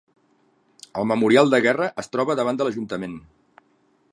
El Memorial de guerra es troba davant de l'Ajuntament.